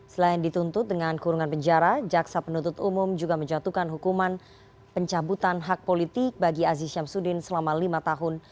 selain dituntut dengan kurungan penjara jaksa penuntut umum juga menjatuhkan hukuman pencabutan hak politik bagi aziz syamsuddin selama lima tahun